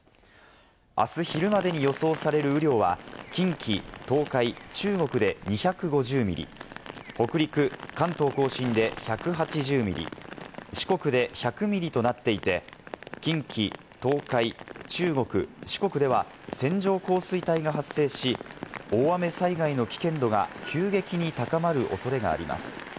あす昼までに予想される雨量は、近畿、東海、中国で２５０ミリ、北陸、関東甲信で１８０ミリ、四国で１００ミリとなっていて、近畿、東海、中国、四国では線状降水帯が発生し、大雨災害の危険度が急激に高まる恐れがあります。